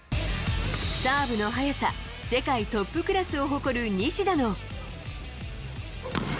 サーブの速さ、世界トップクラスを誇る西田の。